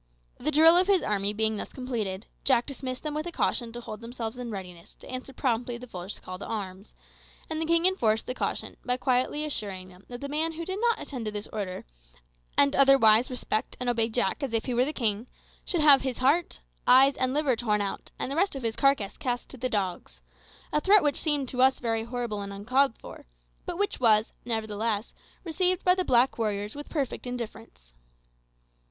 The drill of his army being thus completed, Jack dismissed them with a caution to hold themselves in readiness to answer promptly the first call to arms; and the king enforced the caution by quietly assuring them that the man who did not attend to this order, and otherwise respect and obey Jack as if he were the king, should have his heart, eyes, and liver torn out, and the rest of his carcass cast to the dogs a threat which seemed to us very horrible and uncalled for, but which, nevertheless, was received by the black warriors with perfect indifference.